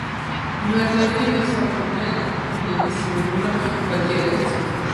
იმერლები საუბრობენ ქართული ენის იმერულ დიალექტზე.